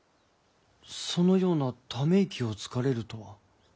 そのようなため息をつかれるとは。